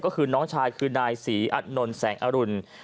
ก็คือน้องชายคือนายศรีอัตนนท์แสงอรุณ